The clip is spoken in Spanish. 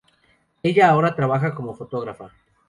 Ella ahora trabaja como fotógrafa.